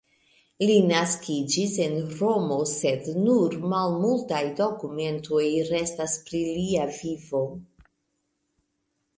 Li naskiĝis en Romo, sed nur malmultaj dokumentoj restas pri lia vivo.